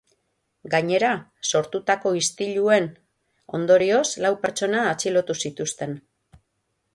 Gainera, sortutako istililuen ondorioz, lau pertsona atxilotu zituzten.